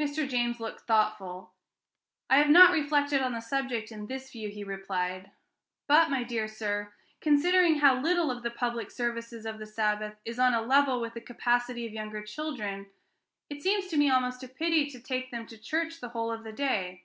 Mr. James looked thoughtful. "I have not reflected on the subject in this view," he replied. "But, my dear sir, considering how little of the public services of the Sabbath is on a level with the capacity of younger children, it seems to me almost a pity to take them to church the whole of the day."